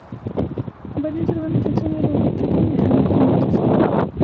Varias organizaciones las detectan y se alertan entre sí.